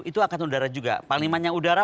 itu angkatan udara juga panglimanya udara